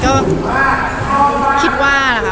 ก็คิดว่าแหละค่ะ